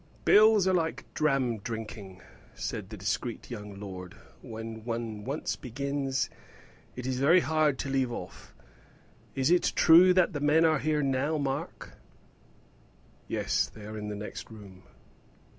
"Bills are like dram drinking," said the discreet young lord: "when one once begins, it is very hard to leave off. Is it true that the men are here now, Mark?" "Yes, they are in the next room."